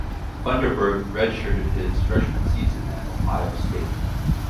Funderburk redshirted his freshman season at Ohio State.